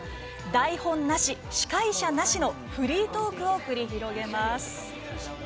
台本なし、司会者なしのフリートークを繰り広げます。